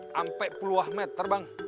sampai puluh meter bang